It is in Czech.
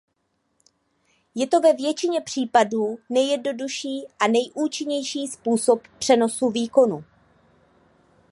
Je to ve většině případů nejjednodušší a nejúčinnější způsob přenosu výkonu.